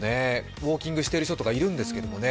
ウォーキングしてる人とかいるんですけどね。